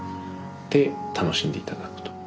で楽しんで頂くと。